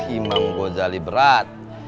imam ghazali berat